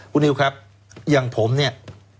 คุณนิวครับอย่างผมเนี่ย